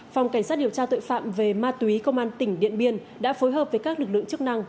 phòng cảnh sát điều tra tội phạm về ma túy công an tỉnh điện biên đã phối hợp với các lực lượng chức năng